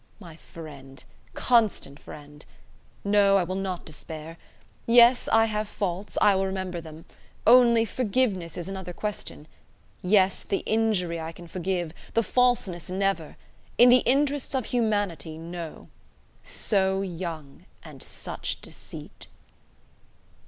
My friend! Constant friend! No, I will not despair. Yes, I have faults; I will remember them. Only, forgiveness is another question. Yes, the injury I can forgive; the falseness never. In the interests of humanity, no. So young, and such deceit!"